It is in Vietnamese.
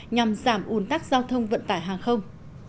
nhằm giảm ủn tắc giao thông vận tải hàng không